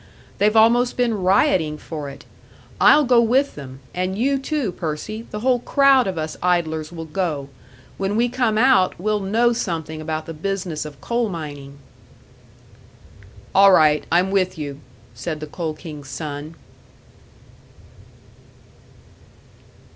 They've almost been rioting for it. I'll go with them and you, too, Percy the whole crowd of us idlers will go! When we come out, we'll know something about the business of coal mining!" "All right, I'm with you," said the Coal King's son.